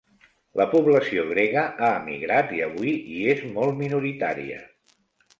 La població grega ha emigrat i avui hi és molt minoritària.